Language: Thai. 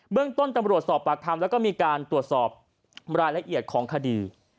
เรื่องต้นตำรวจสอบปากคำแล้วก็มีการตรวจสอบรายละเอียดของคดี